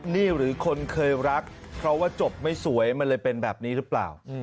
นี่หรือคนเคยรักเพราะว่าจบไม่สวยมันเลยเป็นแบบนี้หรือเปล่า